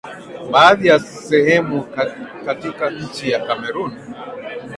baadhi ya sehemu katika nchi ya Cameroon